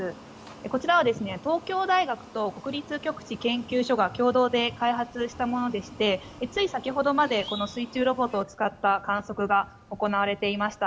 こちらは東京大学と国立極地研究所が共同で開発したものでしてつい先ほどまで水中ロボットを使った観測が行われていました。